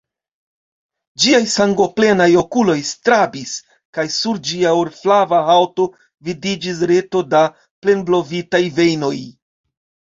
Ĝiaj sangoplenaj okuloj strabis, kaj sur ĝia orflava haŭto vidiĝis reto da plenblovitaj vejnoj.